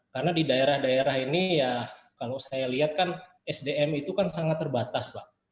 karena di daerah daerah ini ya kalau saya lihat kan sdm itu kan sangat terbatas pak